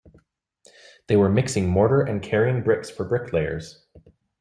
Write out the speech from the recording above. They were mixing mortar and carrying bricks for bricklayers.